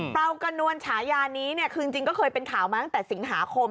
เปล่ากระนวลฉายานี้เนี่ยคือจริงก็เคยเป็นข่าวมาตั้งแต่สิงหาคม